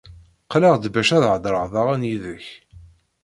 Qqleɣ-d bac ad heḍṛeɣ daɣen yid-k.